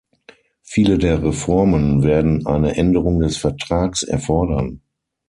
Viele der Reformen werden eine Änderung des Vertrags erfordern.